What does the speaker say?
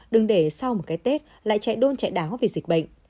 đừng để sau một cái tết lại chạy đôn chạy đáo vì dịch bệnh